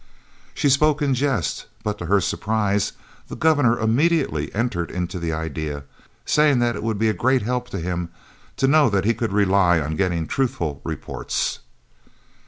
She spoke in jest, but to her surprise the Governor immediately entered into the idea, saying that it would be a great help to him to know that he could rely on getting truthful reports.